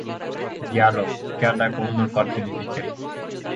Dialog, chiar dacă unul foarte dificil.